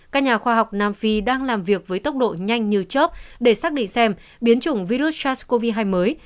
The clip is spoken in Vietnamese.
các nhà khoa học nam phi đang làm việc với tốc độ nhanh như trước để xác định xem biến chủng virus sars cov hai mới